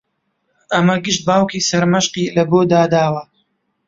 ئەمە گشت باوکی سەرمەشقی لەبۆ داداوە